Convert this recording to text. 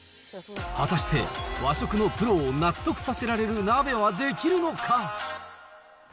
果たして、和食のプロを納得させられる鍋はできるのか。